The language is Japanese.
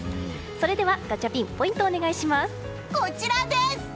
それではガチャピンこちらです！